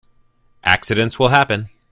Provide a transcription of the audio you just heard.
Accidents will happen.